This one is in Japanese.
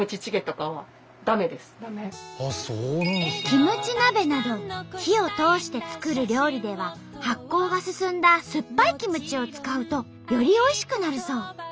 キムチ鍋など火を通して作る料理では発酵が進んだすっぱいキムチを使うとよりおいしくなるそう。